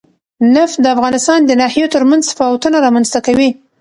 نفت د افغانستان د ناحیو ترمنځ تفاوتونه رامنځ ته کوي.